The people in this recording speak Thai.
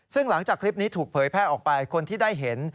ซึ่งหลังจากคลิปนี้ถูกเผยแพร่ออกไปคนที่ได้เห็น